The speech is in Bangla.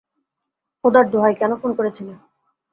খোদার দোহাই, কেন ফোন করেছিল?